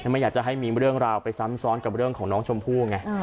ไม่อยากจะให้มีเรื่องราวไปซ้ำซ้อนกับเรื่องของน้องชมพู่ไง